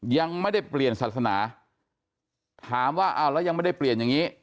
ยังไม่ได้เปลี่ยนศาสนาถามว่าอ้าวแล้วยังไม่ได้เปลี่ยนอย่างนี้